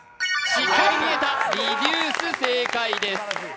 しっかり見えた、リデュース正解です。